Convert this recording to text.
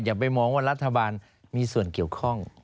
อย่าไปมองว่ารัฐบาลมีส่วนเกี่ยวข้อง